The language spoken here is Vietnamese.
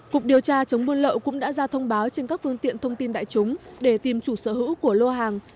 cục điều tra chống buôn lậu cũng đã ra thông báo trên các phương tiện thông tin đại chúng để tìm chủ sở hữu của lô hàng